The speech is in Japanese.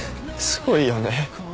すごいよ。